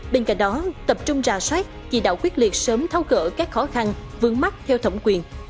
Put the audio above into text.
bên cạnh đó tập trung ra soát chỉ đạo quyết liệt sớm thao cỡ các khó khăn vướng mắt theo thổng quyền